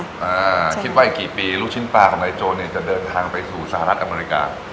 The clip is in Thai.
อ่าคิดว่าอีกกี่ปีลูกชิ้นปลาของนายโจรเนี่ยจะเดินทางไปสู่สหรัฐอเมริกา